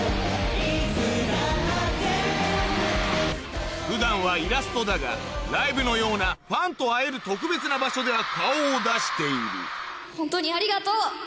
いつだって普段はイラストだがライブのようなファンと会える特別な場所では顔を出しているホントにありがとう。